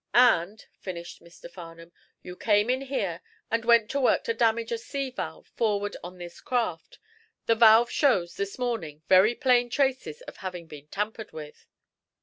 " and," finished Mr. Farnum, "you came in here and went to work to damage a sea valve forward on this craft. The valve shows, this morning, very plain traces of having been tampered with."